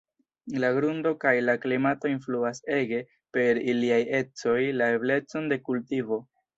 La grundo kaj la klimato influas ege per iliaj ecoj la eblecon de kultivo.